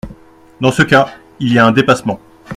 Dans ce cas, il y a un dépassement.